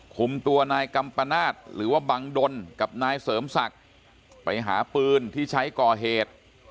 คุมตัวนายกัมปนาศหรือว่าบังดลกับนายเสริมศักดิ์ไปหาปืนที่ใช้ก่อเหตุ